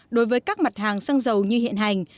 đối với các mặt hàng xăng dầu như hiện hành